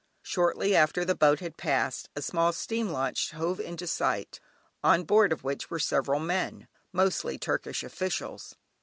Shortly after the boat had passed, a small steam launch hove into sight, on board of which were several men, mostly Turkish officials.